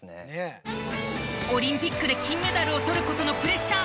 オリンピックで金メダルをとる事のプレッシャー。